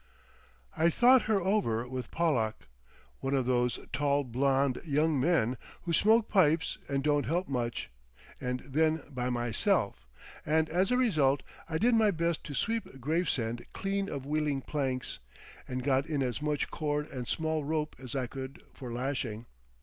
I thought her over with Pollack, one of those tall blond young men who smoke pipes and don't help much, and then by myself, and as a result I did my best to sweep Gravesend clean of wheeling planks, and got in as much cord and small rope as I could for lashing.